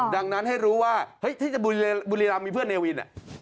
ดังนั้นให้รู้ว่าเฮ้ยที่จะบุรีรำมีเพื่อนเนวิน